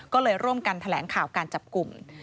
ก็เลยร่วมกันแถลงข่าวการจับกลุ่ม